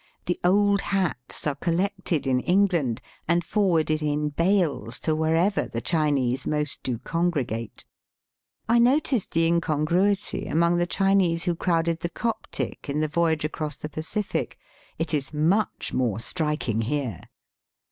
The old hats are collected in Eng land and forwarded in bales to wherever the Chinese m ost do congregate. I noticed the incongruity among the Chinese who crowded the Coptic in the voyage across the Pacific. It is much more striking here.